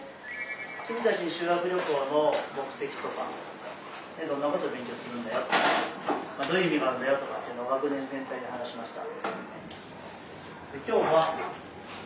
君たち修学旅行の目的とかどんなこと勉強するんだよとかどういう意味があるんだよとか学年全体で話しました。